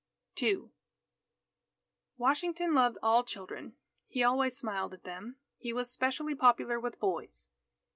II Washington loved all children. He always smiled at them. He was specially popular with boys.